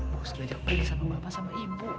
bos dia jauh pergi sama bapak sama ibu